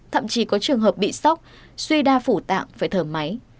thậm chí có trường hợp bị sốc suy đa phủ tạng phải thở máy